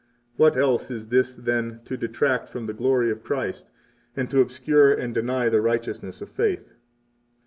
What else is this than to detract from the glory of Christ and to obscure and deny the righteousness of faith?